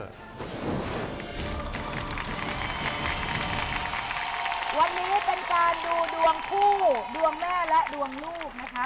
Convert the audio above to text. วันนี้เป็นการดูดวงคู่ดวงแม่และดวงลูกนะคะ